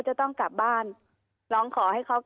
เจ้าหน้าที่แรงงานของไต้หวันบอก